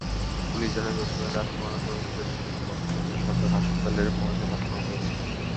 Police জানায়, জসিমের লাশ ময়নাতদন্তের জন্য কক্সবাজার সদর হাসপাতালের মর্গে পাঠানো হয়েছে।